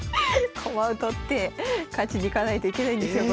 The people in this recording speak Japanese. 駒を取って勝ちに行かないといけないんですよ